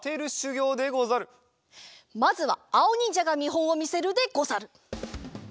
まずはあおにんじゃがみほんをみせるでござる。